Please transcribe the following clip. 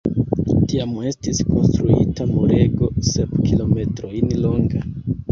Tiam estis konstruita murego sep kilometrojn longa.